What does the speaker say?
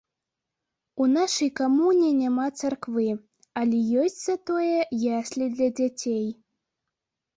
У нашай камуне няма царквы, але ёсць затое яслі для дзяцей.